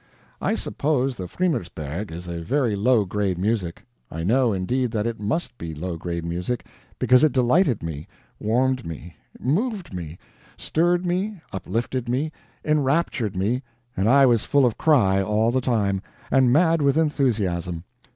I suppose the "Fremersberg" is a very low grade music; I know, indeed, that it MUST be low grade music, because it delighted me, warmed me, moved me, stirred me, uplifted me, enraptured me, that I was full of cry all the time, and mad with enthusiasm.